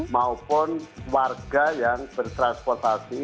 maupun warga yang bertransportasi